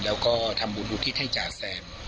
แล้วก็ทำบุญอุทิศให้จ่าแซม